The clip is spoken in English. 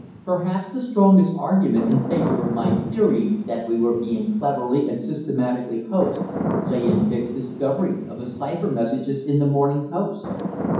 Perhaps the strongest argument in favour of my theory that we were being cleverly and systematically hoaxed lay in Dick's discovery of the cypher messages in the Morning Post.